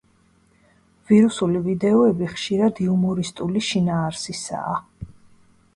ვირუსული ვიდეოები ხშირად იუმორისტული შინაარსისაა.